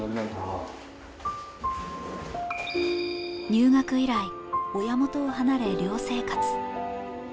入学以来、親元を離れ寮生活。